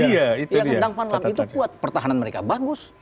yang tentang van lam itu buat pertahanan mereka bagus